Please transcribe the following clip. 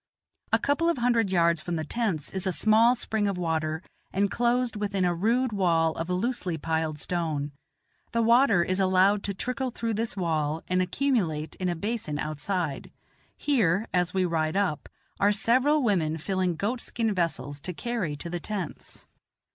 A couple of hundred yards from the tents is a small spring of water, enclosed within a rude wall of loosely piled stone; the water is allowed to trickle through this wall and accumulate in a basin outside. Here, as we ride up, are several women filling goat skin vessels to carry to the tents.